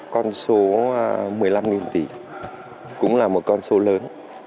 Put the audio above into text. con số một mươi năm tỷ cũng là một con số lớn